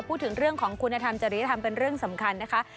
พูดถึงเรื่องของคุณธรรมจริยธรรมเป็นเรื่องสำคัญนะคะ